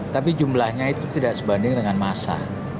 tapi jumlahnya itu tidak sebanding dengan masa